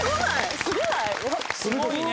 すごいね。